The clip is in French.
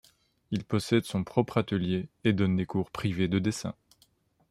Il possède son propre atelier, et donne des cours privés de dessin.